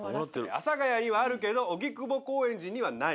阿佐ヶ谷にはあるけど荻窪・高円寺にはない。